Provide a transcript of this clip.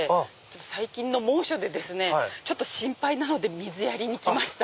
最近の猛暑でですね心配なので水やりに来ました。